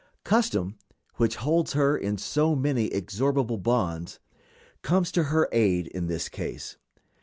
Custom, which holds her in so many inexorable bonds, comes to her aid in this case.